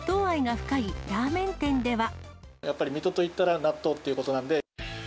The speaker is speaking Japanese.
やっぱり水戸といったら納豆ということなんで。